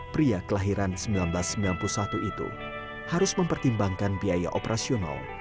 pria kelahiran seribu sembilan ratus sembilan puluh satu itu harus mempertimbangkan biaya operasional